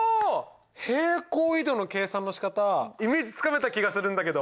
平行移動の計算のしかたイメージつかめた気がするんだけど！